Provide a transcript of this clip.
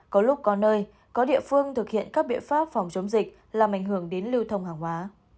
có lúc có nơi có địa phương thực hiện các biện pháp phòng chống dịch làm ảnh hưởng đến lưu thông hàng hóa